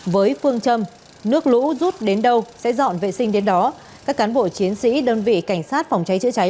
với phương châm nước lũ rút đến đâu sẽ dọn vệ sinh đến đó các cán bộ chiến sĩ đơn vị cảnh sát phòng cháy chữa cháy